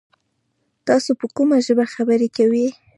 تاسو په کومه ژبه خبري کوی ؟